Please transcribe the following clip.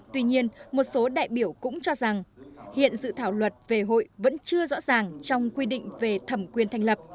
tuy nhiên một số đại biểu cũng cho rằng hiện dự thảo luật về hội vẫn chưa rõ ràng trong quy định về thẩm quyền thành lập